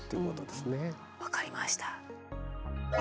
分かりました。